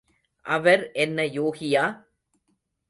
அவர் என்ன யோகியா?